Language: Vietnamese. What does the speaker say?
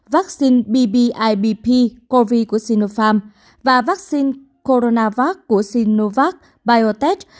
vaccine b b i b p covid của sinopharm và vaccine coronavac của sinovac biotech